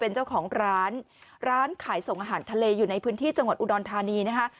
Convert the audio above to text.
เป็นเจ้าของร้านร้านขายส่งอาหารทะเลอยู่ในพื้นที่จังหวัดอุดรธานีนะคะ